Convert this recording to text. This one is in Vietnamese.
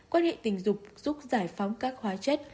quan hệ tình dục giúp giải phóng các hóa chất